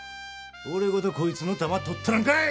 俺ごとこいつのタマ取ったらんかい！